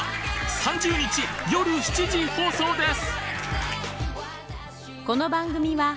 ３０日夜７時放送です！